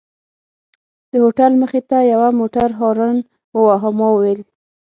د هوټل مخې ته یوه موټر هارن وواهه، ما وویل.